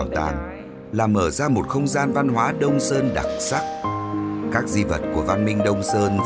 trong hành trình theo dấu vết của văn minh đông sơn